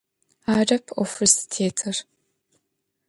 Арэп ӏофыр зытетыр.